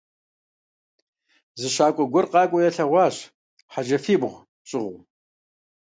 Зы щакӀуэ гуэр къакӀуэу ялъэгъуащ, хьэджафибгъу щӀыгъуу.